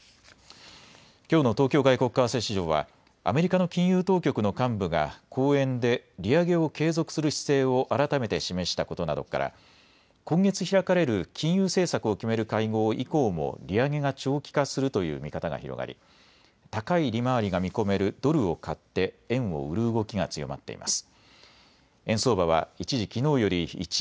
きょうの東京外国為替市場はアメリカの金融当局の幹部が講演で利上げを継続する姿勢を改めて示したことなどから今月開かれる金融政策を決める会合以降も利上げが長期化するという見方が広がり、高い利回りが見込めるドルを買って円を売る動きが強まっています。